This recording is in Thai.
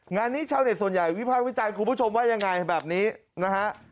งานนี้ชาวเน็ตส่วนใหญ่วิพากษ์วิจารณ์คุณผู้ชมว่ายังไงแบบนี้นะฮะ